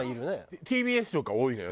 ＴＢＳとか多いのよ